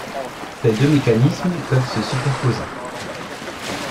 Ces deux mécanismes peuvent se superposer.